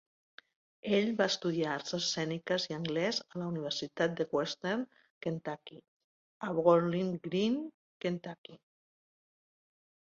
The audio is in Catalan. Ell va estudiar arts escèniques i anglès a la Universitat de Western Kentucky, a Bowling Green, Kentucky.